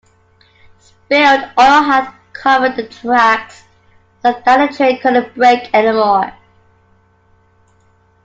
Spilled oil had covered the tracks, so that the train couldn't brake anymore.